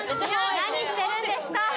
何してるんですか！